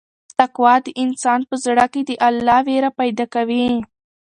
تقوا د انسان په زړه کې د الله وېره پیدا کوي.